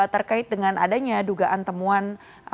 terkait dengan adanya dugaan temuan